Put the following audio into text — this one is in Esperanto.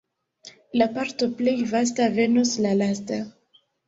La parto plej vasta venos la lasta.